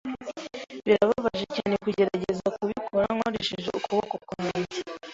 Birababaje cyane kugerageza kubikora nkoresheje ukuboko kwanjye.